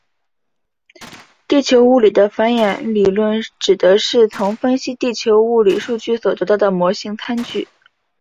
地球物理的反演理论指的是从分析地球物理数据所得到的模型参数。